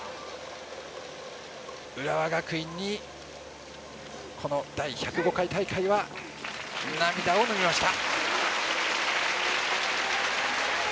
浦和学院にこの第１０５回大会は涙をのみました。